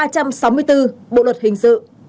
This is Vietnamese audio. điều ba trăm năm mươi sáu bộ luật hình dự